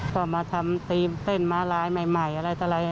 พอมาทำเต็มมาร้ายใหม่อะไรต่อแล้ว